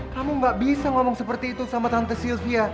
kamu gak bisa ngomong seperti itu sama tante sylvia